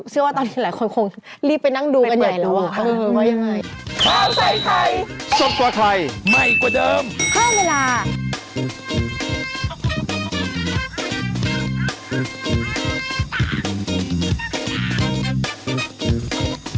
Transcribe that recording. ว่าตอนนี้หลายคนคงรีบไปนั่งดูกันใหญ่แล้วค่ะ